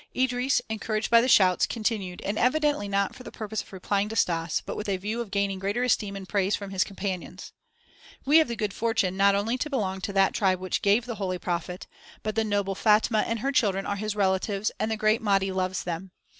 Idris, encouraged by the shouts, continued, and evidently not for the purpose of replying to Stas, but with a view of gaining greater esteem and praise from his companions. "We have the good fortune not only to belong to that tribe which gave the holy prophet, but the noble Fatma and her children are his relatives and the great Mahdi loves them.